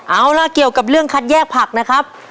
เอาล่ะเกี่ยวกับเรื่องคัดแยกผักนะครับ